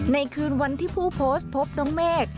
คืนวันที่ผู้โพสต์พบน้องเมฆ